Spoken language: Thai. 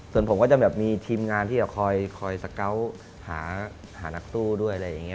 ส่วนผมก็จะแบบมีทีมงานที่จะคอยสเกาะหานักสู้ด้วยอะไรอย่างนี้